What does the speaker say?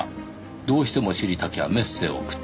「どうしても知りたきゃメッセ送って」